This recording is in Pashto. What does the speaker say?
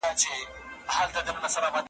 یوه بله کښتۍ ډکه له ماهیانو ,